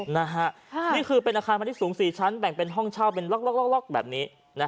นี่คือเป็นอาคารพาณิชยสูง๔ชั้นแบ่งเป็นห้องเช่าเป็นล็อกแบบนี้